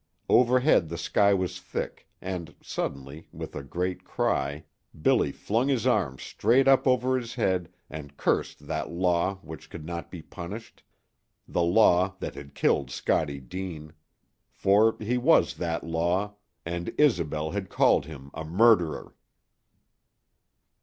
Overhead the sky was thick, and suddenly, with a great cry, Billy flung his arms straight up over his head and cursed that Law which could not be punished, the Law that had killed Scottie Deane. For he was that Law, and Isobel had called him a murderer.